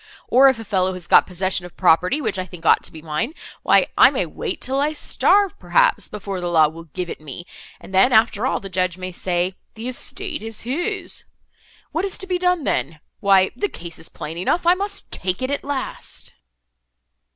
Or, if a fellow has got possession of property, which I think ought to be mine, why I may wait, till I starve, perhaps, before the law will give it me, and then, after all, the judge may say—the estate is his. What is to be done then?—Why the case is plain enough, I must take it at last."